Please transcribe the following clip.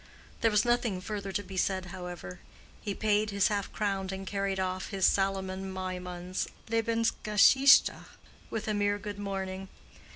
There was nothing further to be said, however: he paid his half crown and carried off his Salomon Maimon's Lebensgeschichte with a mere "good morning."